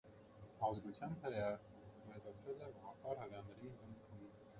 Ազգությամբ հրեա, մեծացել է ուղղափառ հրեաների ընտանիքում։